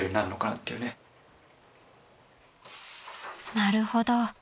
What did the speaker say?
［なるほど］